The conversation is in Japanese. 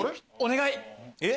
お願い！